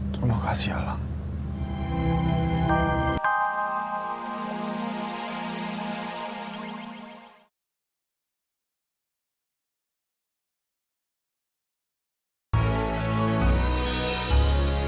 terima kasih ya laang